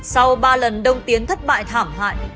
sau ba lần đông tiến thất bại thảm hại